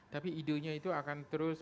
tapi idenya itu akan terus